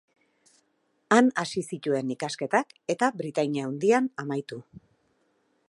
Han hasi zituen ikasketak, eta Britainia Handian amaitu.